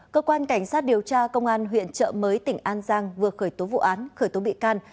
cơ quan cảnh sát điều tra công an huyện trợ mới tỉnh an giang vừa khởi tố vụ án khởi tố bị can